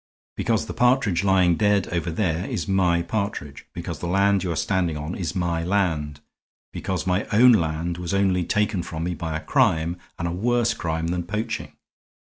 "Because the partridge lying dead over there is my partridge. Because the land you are standing on is my land. Because my own land was only taken from me by a crime, and a worse crime than poaching.